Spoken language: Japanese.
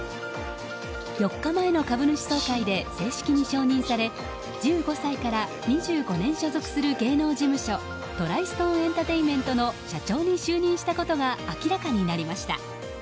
４日前の株主総会で正式に承認され１５歳から２５年所属する芸能事務所トライストーン・エンタテインメントの社長に就任したことが明らかになりました。